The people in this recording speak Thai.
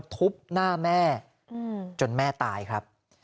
ทุบหน้าแม่จนแม่ตายครับ